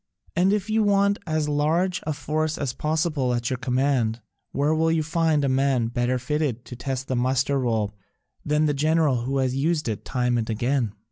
And if you want as large a force as possible at your command, where will you find a man better fitted to test the muster roll than the general who has used it time and again?